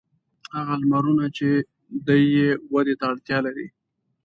هغه لمرونه چې دی یې ودې ته اړتیا لري.